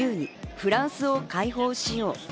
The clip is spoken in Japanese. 「フランスを解放しよう」。